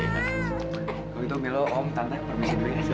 kalau gitu milo om tante permisi dulu ya